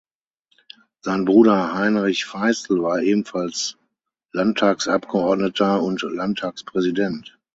Sein Bruder Heinrich Feistel war ebenfalls Landtagsabgeordneter und Landtagspräsident.